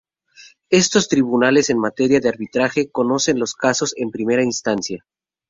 Estos tribunales en materia de arbitraje conocen los casos en primera instancia.